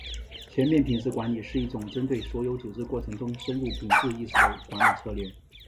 全面品质管理是一种针对所有组织过程中深入品质意识的管理策略。